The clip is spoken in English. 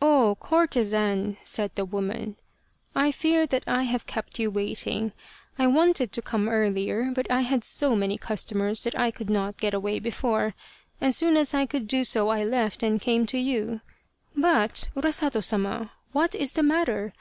Oh, courtezan," said the woman, " I fear that I have kept you waiting. I wanted to come earlier, but I had so many customers that I could not get away before. As soon as I could do so I left and came to you ... but, Urasato Sama, what is the matter